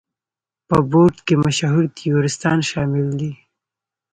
په بورډ کې مشهور تیوریستان شامل دي.